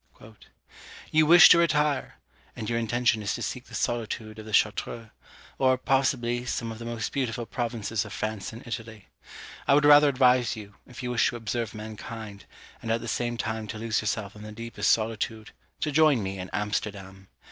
"You wish to retire; and your intention is to seek the solitude of the Chartreux, or, possibly, some of the most beautiful provinces of France and Italy. I would rather advise you, if you wish to observe mankind, and at the same time to lose yourself in the deepest solitude, to join me in Amsterdam.